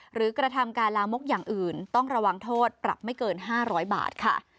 กระทำการลามกอย่างอื่นต้องระวังโทษปรับไม่เกิน๕๐๐บาทค่ะ